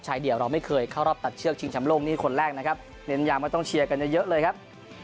เดี่ยวเราไม่เคยเข้ารอบตัดเชือกชิงชำโลกนี้คนแรกนะครับเน้นย้ำว่าต้องเชียร์กันเยอะเยอะเลยครับ